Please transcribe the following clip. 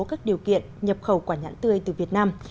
các điều kiện nhập khẩu quả nhãn tươi từ việt nam